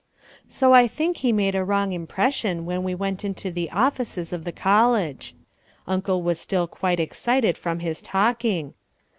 So I think he made a wrong impression when we went into the offices of the college. Uncle was still quite excited from his talking.